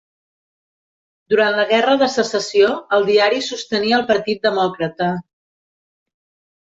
Durant la guerra de Secessió, el diari sostenia el Partit Demòcrata.